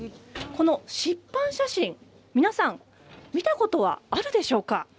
湿板写真、皆さん見たことはあるでしょうか。